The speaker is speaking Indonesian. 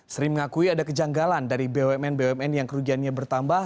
sri mengakui ada kejanggalan dari bumn bumn yang kerugiannya bertambah